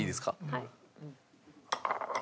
はい。